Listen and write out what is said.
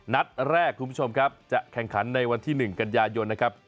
นัดแรกคุณผู้ชมครับจะแข่งขันในวันที่๑กันยายนนะครับ